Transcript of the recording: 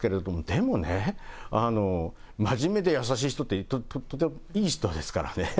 でもね、真面目で優しい人って、とてもいい人ですからね。